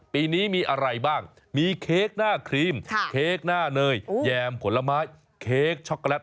ปีนี้มีอะไรบ้างมีเค้กหน้าครีมเค้กหน้าเนยแยมผลไม้เค้กช็อกโกแลต